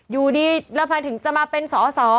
อยู่ดีแล้วพอถึงจะมาเป็นสอสอ